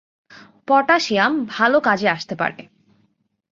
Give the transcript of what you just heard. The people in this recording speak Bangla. প্টাশিয়াম ভালো কাজে আসতে পারে।